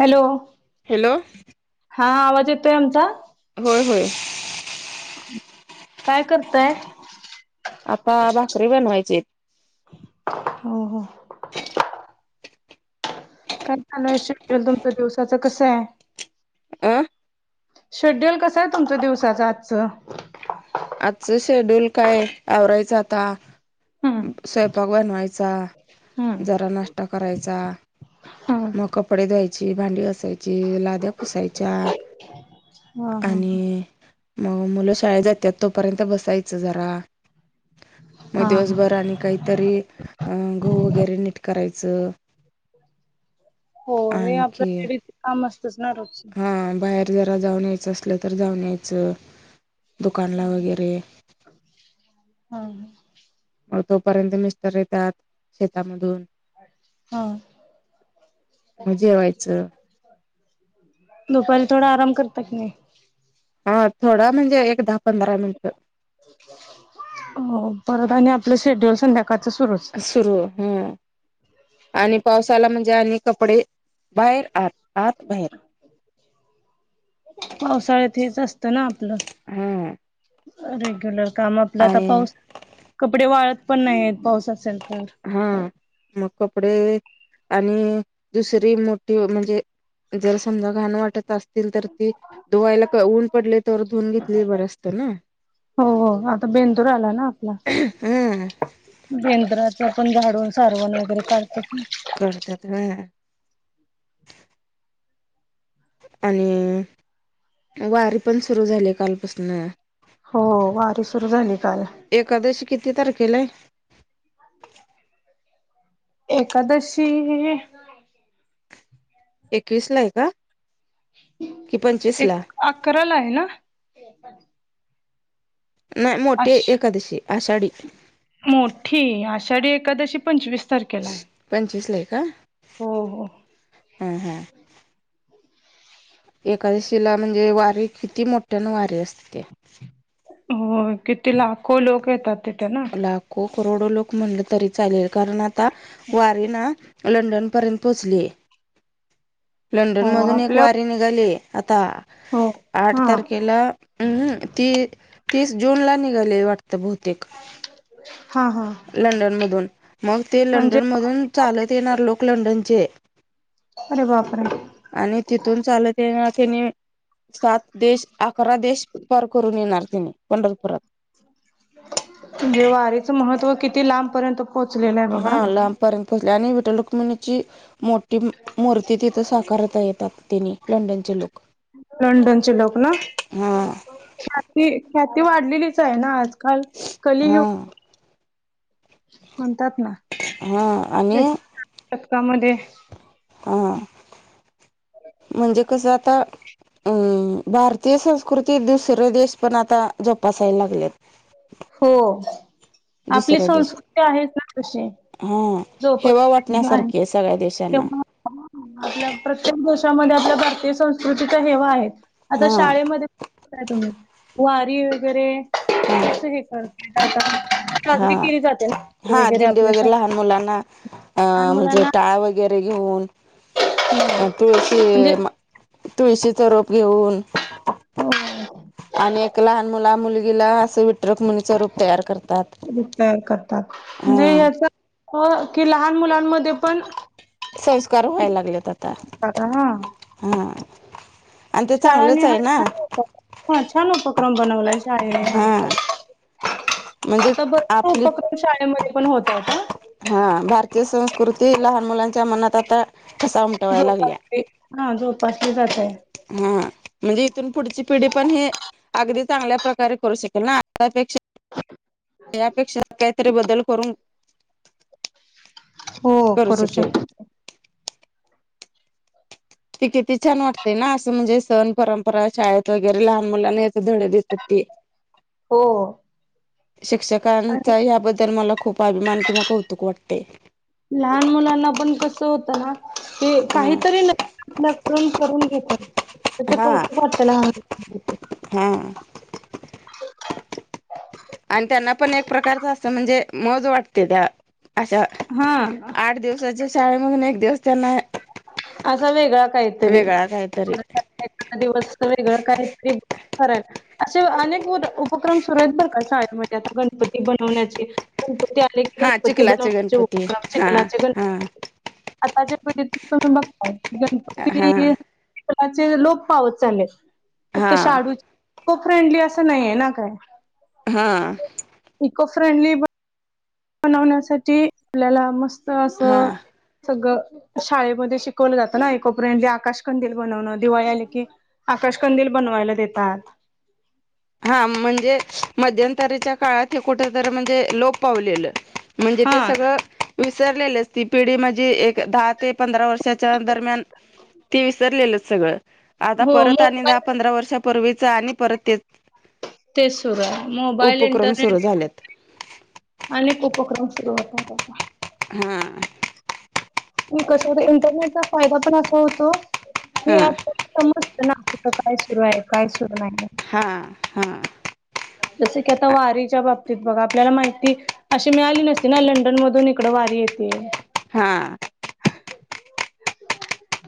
Hello hello हां हां बजेतो तर होय होय काय करतय आता भाकरी बनवायचे हो हो काय चालू आहे शेड्यूल तुमचं दिवसाचं कसं आहे अह शेड्यूल कस आहे तुमच्या दिवसाचं आजचं आजचं शेड्यूल काय आवरायचं आता हम्म. स्वयंपाक बनवायचा हम्म. जरा नाष्ट्ता करायचा. हम्म. मग कपडे धवाय. भांडी असासायची लाद्या फसायच्या हा हा हा. आणि मग मुलं शाळेत जातात तोपर्यंत बसायचं जरा मग हा दिवसभर हा आणि काहीतरी अं गो वगैरे नीट करायचं. हो हे आपल्या काम असतच ना रोज ह बाहेर जरा जाऊन यायचं असलं तर जाऊन यायचं दुकानला हम् वगैरे हम हम् ह मग तोपर्यंत मिस्टर येतात शेतामधून हा मजे व्हायचं [inaudible] दुपारी थोडा आराम करतात नाहीी हा थोडा म्हणजे एक दहा पंधरा मिनिटं. अच. हो परत आणि आपलं शेड्युल संध्याकाळचं सुरूच सुरू ह आणि पावसाला म्हणजे आणि कपडे बाहेर आ. आत बाहेर. पावसाळ्यातच असतं ना हा आपलं रेग्युलर काम आपला आता आणि पाऊस कपडे वाळत पण नाही आहेत पाऊस असेल तर हा मग कपडे आणि दुसरी मोठी म्हणजे जर समजा घाण वाटत अस. तर ती धुवायला ऊन पडले तर धुून घेतली बर असत ना. हो हो आता बेंदूर आला ना आपला हम्म म्हणजे यंत्राच आपण झाडून सारवण वगैरे काढत ना. करतात म आणि वारी पण सुरू झाली कालपासून हो वारी सुरू झाली काल. एखकादशी किती तारखेला आहे. एकादशी एकवीस ला आहे का कि पंचवीस ला अकरा ला आहे ना. नाही मोठे आश एखकादशी आषाढी मोठी आषाढी एखकादशी पंचवीस तारखेला आहे. पंचवीस ला आहे का? हो हो. हम् हम्. एकादशीला म्हणजे वारीे किती मोठ्यानं वारीे असते ते हो किती लाखो लोक येतात तिथे ना. लाखो करोडो लोक म्हणल तरी चालेल कारण आता वारिना लंडनपर्यंत पोहोचली. लंडन हो मधून एक आपल्या वारी निघाली आता हो. आठ हा तारखेला हम्म ती तीस जून ला निघाले वाटत बहुतेक हा हा. लंडन मधून मग ते म्हणजे लंडन मधून चालत येणार लोक लंडनचे अरे वापर आणि तिथून चालतेना त्यांनी सात देश अकरा देश पार करून येणार तिने पंढरपुरात म्हणजे वारीचं महत्त्व किती लांबपर्यंत पोहोचलेलं आहे हा बघा. लांबपर्यंत पोचले आणि विठ्ठल रुक्मिणीची मोठी मूर्ती तिथं साकारता येतात तिने लंडनचे लोक लंडनचे लोक ना हा ती ख्याती वाढलेलीच आहे ना आजकाल हा कलीयुग म्हणतात ना हा आ् एक शतकामध्ये हा म्हणजे कसं आता अम् भारतीय संस्कृती दुसरे देश पण आता जोपासायला लागलेत. हो. आपली दुसऱ्या देश संस्कृती आहे ना कशी हा झोप हेवा वाटण्यासारखी आहे सगळ्या देशात. तेव्हा आपल्या प्रत्येक देशामध्ये आपल्या भारतीय संस्कृतीचा हेवा आहे, आता हा शाळेमध्ये तुम्ही वारी वगैरे हां कसं हे कर हा हा दिंडी आपल्या शाळेत वगैरे लहान मुलांना अ लहान म्हणजे मुलांना टाळ वगैर वगैरे घेऊन तुळशी म्हणजे तुळशी सरोप घेऊन हो आणि एक लहान मुला मुलगीला असं विटरक म्हण रर करतात म्हणजे हा याच हो की लहान मुलांमध्ये पण संस्कार व्हायला लागलेत आता हा हा आणि ते शाळांनी चांगलंच हा आहे ना, छान उपक्रम हा छान उपक्रम बनवलाय शाळेने हा म्हणजे आता बर आपली उपक्रम शाळेमध्ये पण होतय का, हा भारतीय संस्कृती लहान मुलांच्या मनात आता ठसा उमटवायला जोप लागल्या हा जोपासली जातय हा म्हणजे इथून पुढची पिढी पण हे अगदी चांगल्या प्रकारे करू शकेल ना आपेक्षा यापेक्षा काहीतरी बदल करून हो करू शक ती किती छान वाटते ना असं म्हणजे सण परंपरा शाळेत वगैरे लहान मुलांना याेत धडे दिसत ती हो आणि शिक्षकांचा याबद्दल मला खूप अभिमान किंवा कौतुक वाटते. लहान मुलांना पण कसं होतं ना हे ह काहीतरी न, ल करून करून घेतात त्या त उ वाटत, हां आणि त्यांना पण एक प्रकारच असत म्हणजे मोज वाटते त्या अशा हा आठ दिवस शाळेमधून एक दिवस त्यांना असा वेगळा काहीतरी वेगळा काहीतरी दिवस वेगळं काहीतरी खराय असे अनेक उपक्रम सुरू आहेत बरं का ाळे म्हणजे आता गणपती बनवण्याचे गणपती आले की हा गणपती चिखलाचे बनवम गणपती हा कलाचे हा गणपती आताच्या पिढीत तुम्ही बघताय हा गणपती लाचे लोक पावत चालेत फक्त हा शाडू को फ्रेंडली असं नाहीये ना काय हा इको फ्रेंडली बनवण्यासाठी आपल्याला मस्त हा असं सगळं शाळेमध्ये शिकवलं जातं ना एकोपरेंडली आकाश कंंदल बनवणं दिवाळी आली की आकाशकंदील बनवायला देतात हा म्हणजे मध्यंतरीच्या काळात हे कुठंतरी म्हणजे लोप पावलेलं म्हणजे हा ते सगळं. विसरलेलीच ती पिढी म्हणजे एक दहा ते पंधरा वर्षाच्या दरम्यान ते विसरलेल सगळं आता हो परत आणि दहा मोबाईल पंधरा वर्षापूर्वीच आणि परत ते तेच सुरु हाय मोबाईल उपक्रम सुरू इंटरनेट झालेत अनेक उपक्रम सुरू होतात आता हा कसं होत इंटरनेटचा फायदा पण असा होतो की हा आप समजत ना कुठं काय सुरू आहे काय सुरू नाही हां हां जस की आता वारीच्या बाबतीत बघा आपल्याला माहिती अशी मिळाली नसती ना लंडन मधून इकड वारी येते हा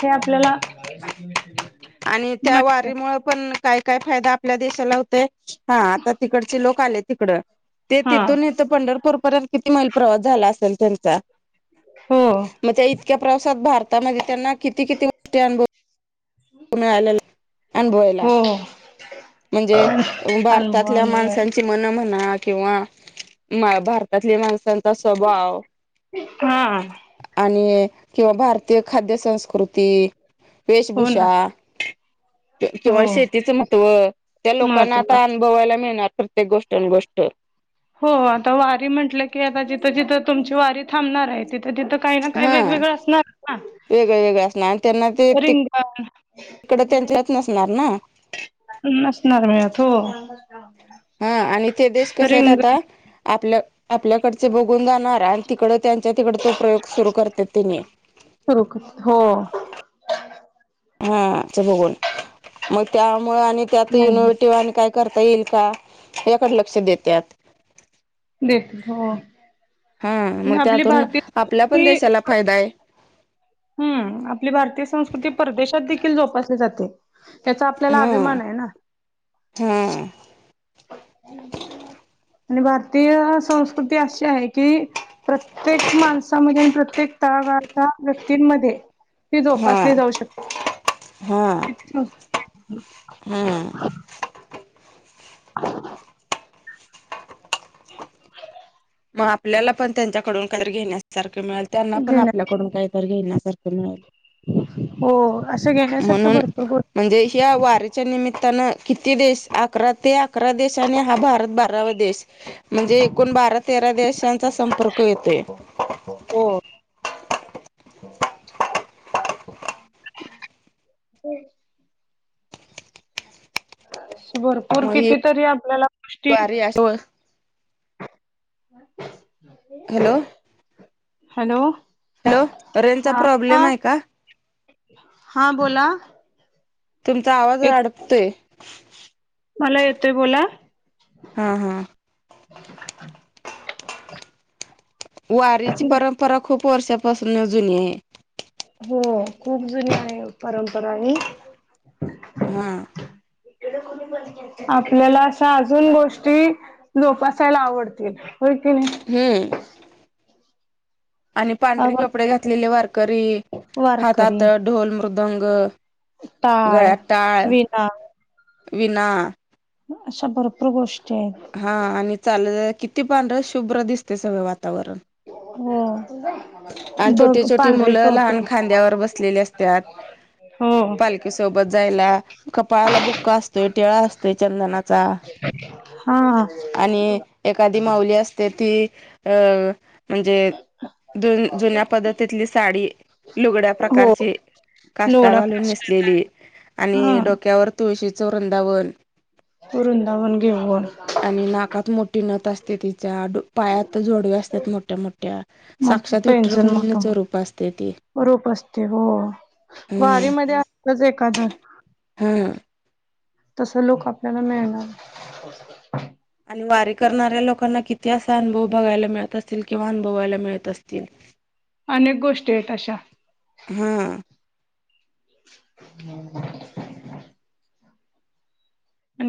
हे आपल्याला आणि त्या माहिती वारीमुळे पण काय काय फायदा आपल्या देशाला हो ते हा आता तिकडचे लोक आले तिकड ते हा तिथून पंढरपूरपर्यंत किती मैल प्रवास झाला असेल त्यांचा हो मग त्या इतक्या प्रवासात भारतामध्ये त्यांना किती किती गोष्टी अनुभव. त मिळालेल अनुभवायला. हो म्हणजे भारतातल्या अनुभवांवर माणसांची मन म्हणा किंवा. म भारतातल्या माणसांचा स्वभाव, हा आणि किंवा भारतीय खाद्य संस्कृती, हो वेभूष [inaudible] ना अनुवायला हो महत्व मिळणार प्रत्येक गोष्ट आणि गोष्ट हो आता वारी म्हटलं की आता जिथं जिथं तुमची वारी थांबणार आहे तिथं तिथं काही ना काही हा वेगवेगळ असणार ना वेगळे वेगळे असणार आणि त्यांना ते रिंगन. तिकड त्यांच नसणार ना [inaudible] हा आणि इ ते देश कस आहेत रिंगण आता, आपलं आपल्याकडचे बघून जाणार आणि तिकड त्यांच्या तिकड तो प्रयोग सुरू करते तिने सुरू हो हा च बघून मग त्यामुळे आणि त्यात हो युनिव्हर्टी आणि काय करता येईल का याकडे लक्ष देतात देेत हो हा मग म्हणजे आपली त्यातून भारतीय आपल्या पण संस्कृती देशाला फायदा आहे हम्म आपली भारतीय संस्कृती परदेशात देखील जोपासली जाते. त्याचा आपल्याला हा अभिमान आहे ना हा आणि भारतीय संस्कृती अशी आहे की. प्रत्येक माणसा म्हणजे आणि प्रत्येक तळागाळाचा म ती हा जोपासली जाऊ हा शकते हा [unintelligible] [unintelligible] मग आपल्याला पण त्यांच्याकडून काहीर घेण्यासारखं मिळेल त्यांना पण आपल्या घेण्या डून काहीत घेईण्यासारखं मिळेल हो असं घेण्यासारखं म्हणून भरपूर गो म्हणजे ह्या वारीच्या निमित्तानं किती देश अकरा ते अकरा देश आणि हा भारत बारावा देश म्हणजे एकूण बारा तेरा देशाचा संपर्क येतोय. हो [unintelligible] भरपूर मग ही कितीतरी आपल्याला गोष्टी वारी अशी हॅलो. हॅलो. हॅलो रेजचा हा प्रॉब्लेम हा आहे का? हा बोला.. तुमचा आवाज येत अडकतोय मला येतोय बोला. हा हा [unintelligible] वारीची परंपरा खूप वर्षापासून अ जुनी आहे, हो खूप जुनी आहे परंपरा आणि हम्म. [unintelligible] आपल्याला अशा अजून गोष्टी जोपासायला आवडतील होय की नाही? हम्म. आणि पांढरी नाही कपडे घातलेले वारकरी हातात वारकरी ढोल मदुंग, टाळ गळ्यात टाळ, विणा विना, अशा भरपूर गोष्टी आहेत. हा आणि चाल किती पांढर शुभ्र दिसते सगळं वातावरण. हो. आणि छोटी, बघ छोटी पांढरी मुलं टोपी लहान खांद्यावर बसलेली असतात. हो पालखीसोबत जायला कपाळाला बुक्क असतोय, टिळा असतोय चंदना. हा. ए एखादी माऊली असते ती म्हणे हा [unintelligible] ज जुन्या पद्धतीतली साडी लुगड्या हो प्रकारची काष्टा लोडा घालून काष्टा नेसलेली हा आणि डोक्यावर तुळशीचं वृंदावन वरुंदावन घेऊण वर आणि नाकात मोठी नत असते तिच्या पायात तर जोडवे असतात मोठ्या, मोठ्या, मोठ साक्षात पेंझन मोठ, विठ्ठलरुक्मिणीचं रूप असते ती मोठ रूप असते हो हम्म वारी मध्ये असतच एखादं हम्म. तस लोक आपल्याला मिळणात. [unintelligible] आणि वारी करणाऱ्या लोकांना किती असा अनुभव बघायला मिळत असतील किंवा अनुभवायला मिळत असतील. ह [unintelligible] अनेक गोष्टी आहेत अशा. हम्म. हम् [unintelligible] आणि